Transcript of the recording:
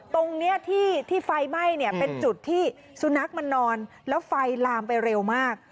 ตรงนี้ที่ไฟไหม้เนี่ยเป็นจุดที่สุนัขมันนอนแล้วไฟลามไปเร็วมาก